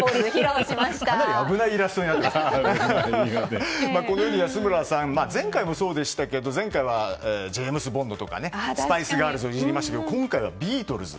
かなり危ないイラストにこのように安村さん、前回はジェームズ・ボンドとかスパイス・ガールズをいじりましたけど今回はビートルズ。